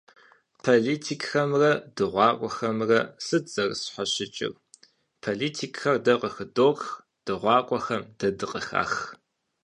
Политикхэмрэ дыгъуакӏуэхэмрэ сыт зэрызэщхьэщыкӏыр? Политикхэр дэ къыхыдох, дыгъуакӀуэхэм дэ дыкъыхах.